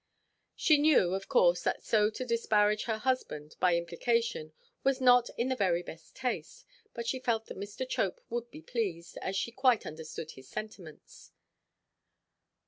She knew, of course, that so to disparage her husband, by implication, was not in the very best taste; but she felt that Mr. Chope would be pleased, as she quite understood his sentiments.